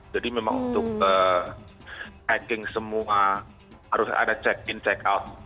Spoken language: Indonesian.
jadi memang untuk hacking semua harus ada check in check out